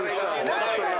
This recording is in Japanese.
何だよ？